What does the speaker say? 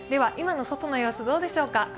今の外の様子どうでしょうか。